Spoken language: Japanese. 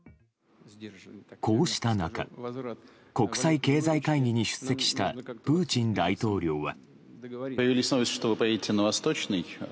こうした中、国際経済会議に出席したプーチン大統領は。